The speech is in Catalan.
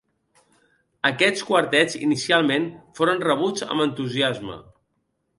Aquests quartets, inicialment, foren rebuts amb entusiasme.